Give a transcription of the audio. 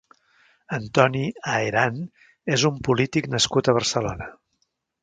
Antoni Aherán és un polític nascut a Barcelona.